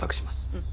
うん。